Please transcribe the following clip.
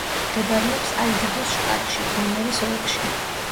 მდებარეობს აიდაჰოს შტატში, ბონერის ოლქში.